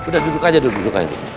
udah duduk aja dulu